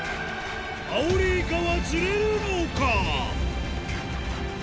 アオリイカは釣れるのか？